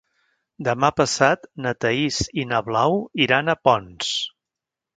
Demà passat na Thaís i na Blau iran a Ponts.